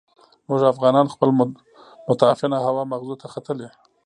موږ افغانان خپل متعفنه هوا مغزو ته ختلې.